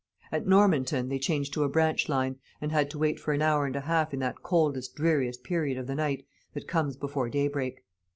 At Normanton they changed to a branch line, and had to wait an hour and a half in that coldest dreariest period of the night that comes before daybreak.